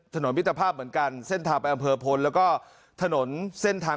ถนนมิตรภาพเหมือนกันเส้นทางไปอัมเภอพลแล้วก็ถนนเส้นทางขอนแก่นเชียงยืน